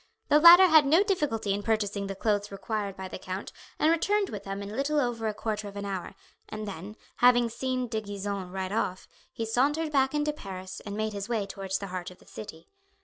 The latter had no difficulty in purchasing the clothes required by the count and returned with them in little over a quarter of an hour, and then, having seen De Gisons ride off, he sauntered back into Paris and made his way towards the heart of the city.